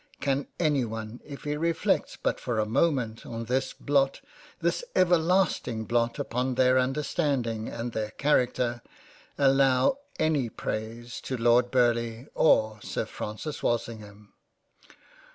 Can any one if he reflects but for a moment on this blot, this everlast ing blot upon their understanding and their Character, allow any praise to Lord Burleigh or Sir Francis Walsingham